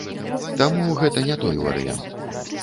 Таму гэта не той варыянт.